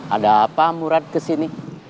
ada apa murad kesini